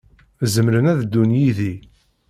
Zemren ad ddun yid-i.